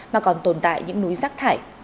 mà còn tồn tại những núi rác thải